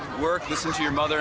dengar pesan dari ibu dan ayah anda